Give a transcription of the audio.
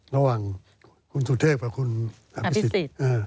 ระหว่างคุณสุทธิกษ์กับคุณอภิสิทธิ์